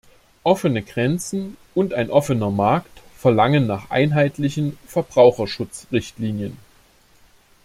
Offene Grenzen und ein offener Markt verlangen nach einheitlichen Verbraucherschutzrichtlinien.